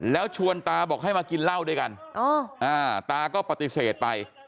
แล้วชวนตาบอกให้มากินเหล้าด้วยกันตาก็ปฏิเสธไป